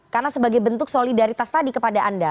karena sebagai bentuk solidaritas tadi kepada anda